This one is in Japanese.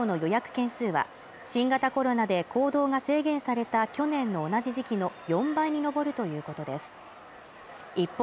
件数は新型コロナで行動が制限された去年の同じ時期の４倍に上るということです一方